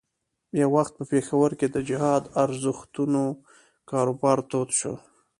یو وخت په پېښور کې د جهاد ارزښتونو کاروبار تود شو.